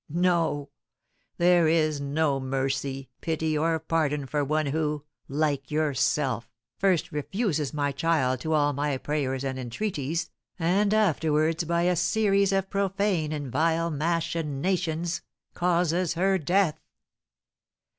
No! There is no mercy, pity, or pardon for one who, like yourself, first refuses my child to all my prayers and entreaties, and afterwards, by a series of profane and vile machinations, causes her death!